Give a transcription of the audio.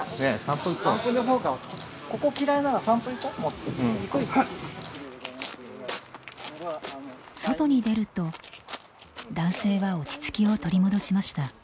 ここ嫌いなら外に出ると男性は落ち着きを取り戻しました。